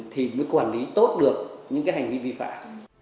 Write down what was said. thì mới quản lý tốt được những cái hành vi vi phạm